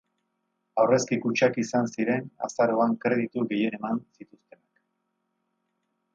Aurrezki-kutxak izan ziren azaroan kreditu gehien eman zituztenak.